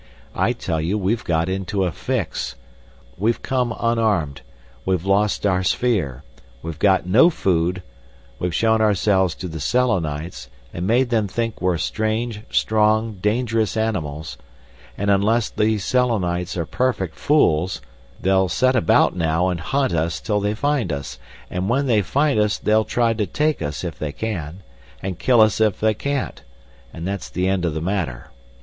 I tell you we've got into a fix. We've come unarmed, we've lost our sphere, we've got no food, we've shown ourselves to the Selenites, and made them think we're strange, strong, dangerous animals; and unless these Selenites are perfect fools, they'll set about now and hunt us till they find us, and when they find us they'll try to take us if they can, and kill us if they can't, and that's the end of the matter.